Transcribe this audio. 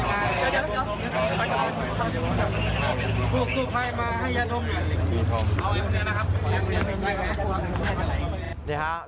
ไปดูนี่ไป